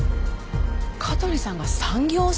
香取さんが産業スパイ？